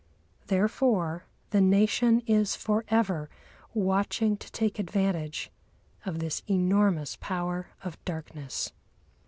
Therefore the Nation is for ever watching to take advantage of this enormous power of darkness.